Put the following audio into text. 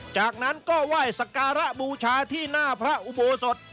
จากนั้นก็ไหว้สการะบูชาที่หน้าพระอุโบสถ